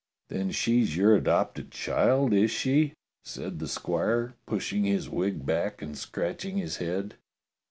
"Then she's your adopted child, is she.^" said the squire, pushing his wig back and scratching his head.